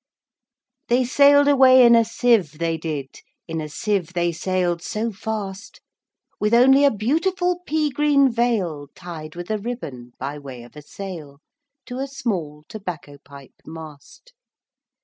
They sail'd away in a sieve, they did, In a sieve they sail'd so fast, With only a beautiful pea green veilTied with a ribbon, by way of a sail, To a small tobacco pipe mast.